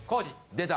・出た！